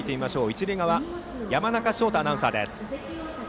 一塁側山中翔太アナウンサーです。